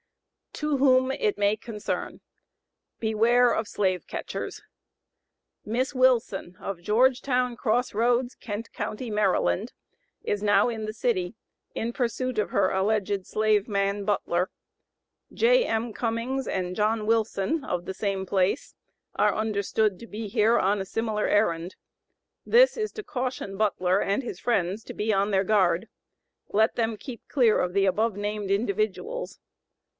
TO WHOM IT MAY CONCEEN: BEWARE OF SLAVE CATCHERS. Miss WILSON, of Georgetown Cross Roads, Kent county, Md., is now in the city in pursuit of her alleged slave man, BUTLER. J.M. Cummings and John Wilson, of the same place, are understood to be here on a similar errand. This is to caution BUTLER and his friends to be on their guard. Let them keep clear of the above named individuals.